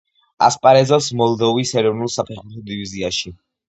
ასპარეზობს მოლდოვის ეროვნულ საფეხბურთო დივიზიაში.